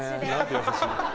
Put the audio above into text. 優しい。